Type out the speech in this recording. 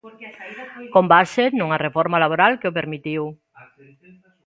Con base nunha reforma laboral que o permitiu.